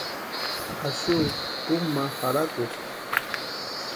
Axu kúmu ma jarhakusti.